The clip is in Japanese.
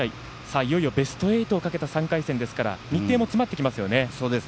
いよいよベスト８をかけた３回戦ですから日程も詰まってきますよね。